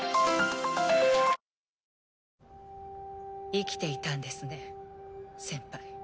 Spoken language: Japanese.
生きていたんですね先輩。